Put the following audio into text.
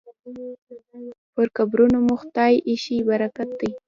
پر قبرونو مو خدای ایښی برکت دی